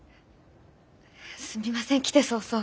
すみません来て早々。